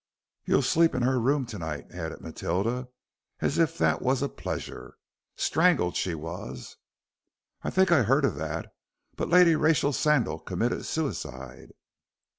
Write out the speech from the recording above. You'll sleep in 'er room to night," added Matilda, as if that was a pleasure. "Strangled, she was." "I think I heard of that. But Lady Rachel Sandal committed suicide."